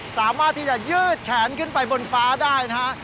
สามารถที่จะยืดแขนขึ้นไปบนฟ้าได้นะฮะ